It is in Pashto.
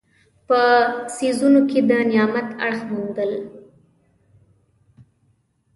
په څیزونو کې د نعمت اړخ موندل.